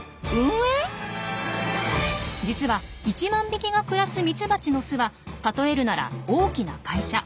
実は１万匹が暮らすミツバチの巣は例えるなら大きな会社。